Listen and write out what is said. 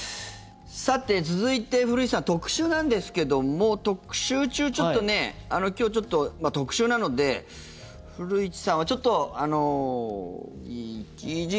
さて、続いて古市さん特集なんですけども特集中ちょっとね今日、特集なので長っ。